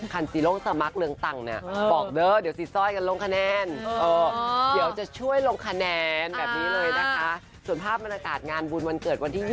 คันตรีโล่งสมัครเรืองต่างปอกเด้อเดี๋ยวสีซ้อยลงคะแนน